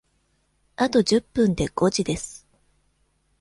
あと十分で五時です。